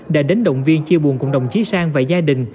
đã đến động viên chia buồn cùng đồng chí sang và gia đình